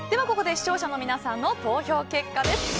ここで視聴者の皆さんの投票結果です。